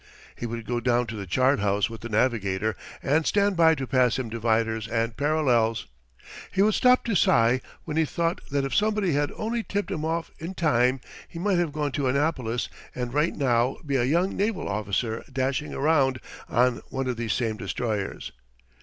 He would go down to the chart house with the navigator and stand by to pass him dividers and parallels. He would stop to sigh when he thought that if somebody had only tipped him off in time he might have gone to Annapolis and right now be a young naval officer dashing around on one of these same destroyers.